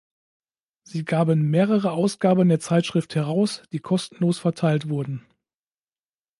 Sie gaben mehrere Ausgaben der Zeitschrift heraus, die kostenlos verteilt wurden.